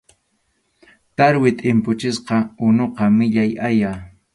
Tarwi tʼimpuchisqa unuqa millay haya.